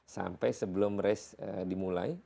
sampai sebelum race dimulai